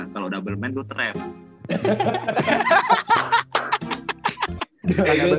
kalau double main tuh trap